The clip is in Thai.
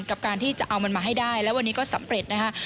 กับการที่จะเอามันมาให้ได้แล้ววันนี้ก็สำเร็จนะคะ